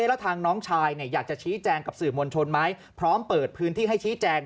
แล้วทางน้องชายอยากจะชี้แจงกับสื่อมวลชนไหมพร้อมเปิดพื้นที่ให้ชี้แจง